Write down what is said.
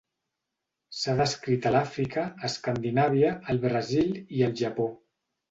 S'ha descrit a l'Àfrica, Escandinàvia, el Brasil i el Japó.